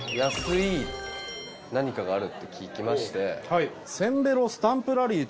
イイ何かがあるって聞きまして。